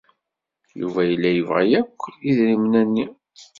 Yuba yella yebɣa akk idrimen-nni.